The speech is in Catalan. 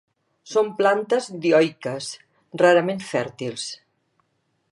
Són plantes dioiques, rarament fèrtils.